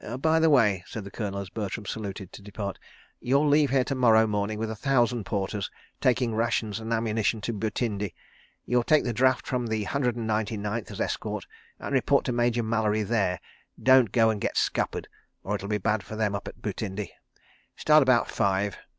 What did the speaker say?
... "By the way," said the Colonel, as Bertram saluted to depart, "you'll leave here to morrow morning with a thousand porters, taking rations and ammunition to Butindi. You will take the draft from the Hundred and Ninety Ninth as escort, and report to Major Mallery there. Don't go and get scuppered, or it'll be bad for them up at Butindi. ... Start about five.